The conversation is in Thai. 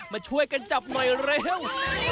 มาช่วยกันจับหน่อยเร็ว